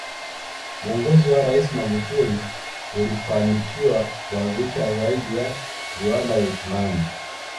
Uongozi wa rais Magufuli ulifanikiwa kuanzisha zaidi ya viwanda elfu nane